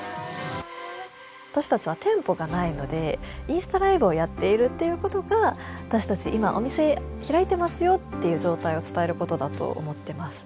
私たちは店舗がないのでインスタライブをやっているっていうことが「私たち今お店開いてますよ」っていう状態を伝えることだと思ってます。